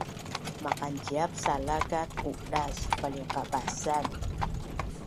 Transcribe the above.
Maqanciap sala kat qudas paliqabasan